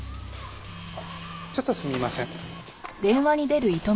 あっちょっとすみません。